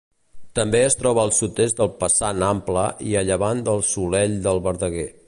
També es troba al sud-est del Passant Ample i a llevant del Solell del Verdeguer.